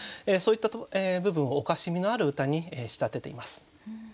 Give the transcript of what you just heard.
そういった部分をおかしみのある歌に仕立てています。